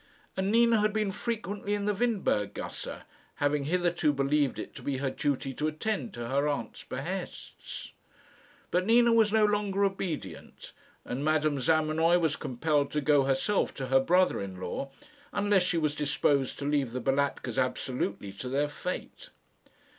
And Nina had been frequently in the Windberg gasse, having hitherto believed it to be her duty to attend to her aunt's behests. But Nina was no longer obedient, and Madame Zamenoy was compelled to go herself to her brother in law, unless she was disposed to leave the Balatkas absolutely to their fate.